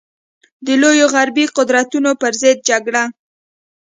د لویو غربي قدرتونو پر ضد جګړه.